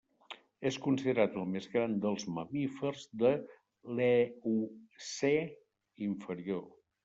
És considerat el més gran dels mamífers de l'Eocè inferior.